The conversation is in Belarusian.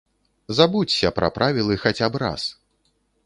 Забудзься пра правілы хаця б раз.